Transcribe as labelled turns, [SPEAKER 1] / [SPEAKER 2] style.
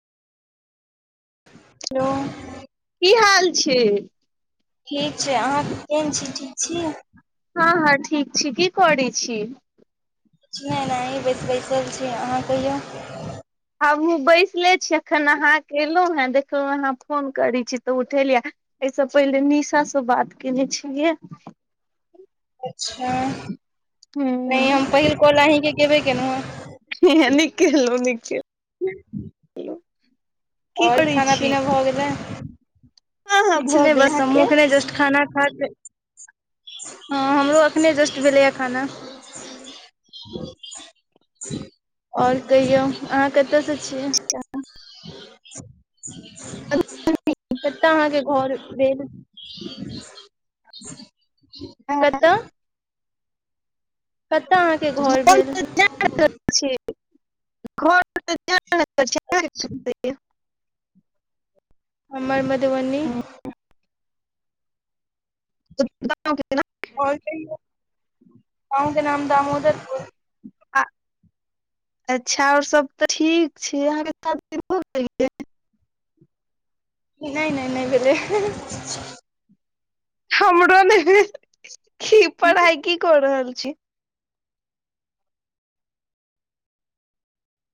[SPEAKER 1] Hello
[SPEAKER 2] की हाल छैय?
[SPEAKER 1] ठीक छैय अहाँ केहेन छी ठीक छी?
[SPEAKER 2] हँ हँ ठीक छी की करै छी?
[SPEAKER 1] [unintelligible] बस बैसल छी अहाँ कहियौ।
[SPEAKER 2] हमहुँ बैसले छी अखन अहाँके एलहुँ हेँ देखलहु अहाँ फोन करै छी तऽ उठेलिय। एहिसँ पहिले निशास बात केने छलियै।
[SPEAKER 1] अच्छा
[SPEAKER 2] ह
[SPEAKER 1] नहि हम पहिल कॉल अहींके कैबेय केलहुँ हन।
[SPEAKER 2] हे ह नीक केलहूँ नीक केलहुँ।
[SPEAKER 1] ह
[SPEAKER 2] की
[SPEAKER 1] आओर
[SPEAKER 2] करै
[SPEAKER 1] खाना
[SPEAKER 2] छी
[SPEAKER 1] पीना भऽ गेलै?
[SPEAKER 2] हँ हँ
[SPEAKER 1] किछु
[SPEAKER 2] भऽ
[SPEAKER 1] नहि
[SPEAKER 2] गेल
[SPEAKER 1] बस हमहुँ
[SPEAKER 2] अहाँके
[SPEAKER 1] एखने जस्ट खाना खाके हँ हमरो एखने जस्ट भेलैए खाना। आओर कहियौ अहाँ कतसे छियै?
[SPEAKER 2] च
[SPEAKER 1] कत अहाँके घर भेल कतऽ? कत अहाँके घर भेल?
[SPEAKER 2] [unintelligible]
[SPEAKER 1] हमर मधुबनी
[SPEAKER 2] [unintelligible]
[SPEAKER 1] आओर कहियो गाँव के नाम दामोदर
[SPEAKER 2] आ अच्छा आओर सब तऽ ठीक छै अहाँके शादी भऽ गेल यै
[SPEAKER 1] नहि नहि नहि भेलै
[SPEAKER 2] हमरो ने भेलै कि पढ़ाई की कऽ रहल छी